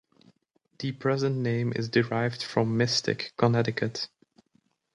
The present name is derived from Mystic, Connecticut.